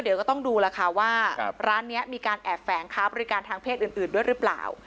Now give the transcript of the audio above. เดี๋ยวก็ต้องดูแล้วค่ะว่าร้านนี้มีการแอบแฝงค้าบริการทางเพศอื่นด้วยหรือเปล่า